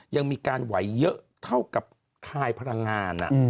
ยังมีการไหวเยอะเท่ากับคลายพลังงาน